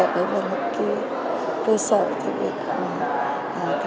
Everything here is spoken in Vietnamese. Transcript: với một cái cơ sở thực hiện mà các em sẽ trưởng hành vươn lên và qua cái đoạt thi này thì nó cũng kích thích các em